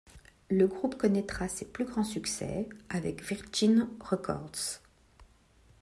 Le groupe connaîtra ses plus grands succès avec Virgin Records.